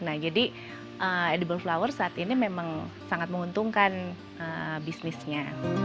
nah jadi edible flower saat ini memang sangat menguntungkan bisnisnya